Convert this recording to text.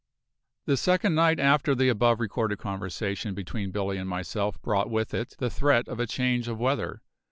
The second night after the above recorded conversation between Billy and myself brought with it the threat of a change of weather.